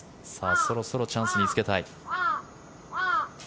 そろそろチャンスにつけたい。